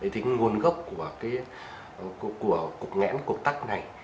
thì nguồn gốc của cục ngẽn cục tắt này